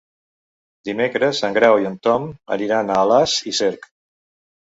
Dimecres en Grau i en Tom aniran a Alàs i Cerc.